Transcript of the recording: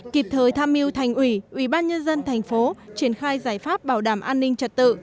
kịp thời tham mưu thành ủy ủy ban nhân dân thành phố triển khai giải pháp bảo đảm an ninh trật tự